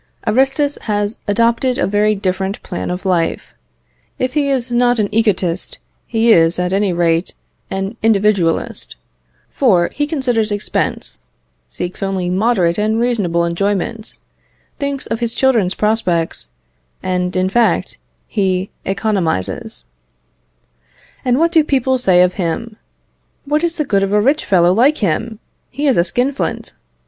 Aristus has adopted a very different plan of life. If he is not an egotist, he is, at any rate, an individualist, for he considers expense, seeks only moderate and reasonable enjoyments, thinks of his children's prospects, and, in fact, he economises. And what do people say of him? "What is the good of a rich fellow like him? He is a skinflint.